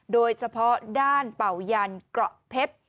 โดยเฉพาะด้านเป่ายันเกราะเพชร